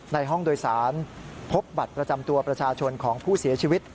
ในห้องโดยสารพบบัตรประจำตัวประชาชนของผู้เสียชีวิต